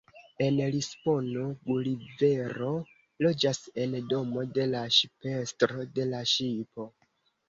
En Lisbono Gulivero loĝas en domo de la ŝipestro de la ŝipo.